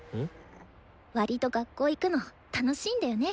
わりと学校行くの楽しいんだよね。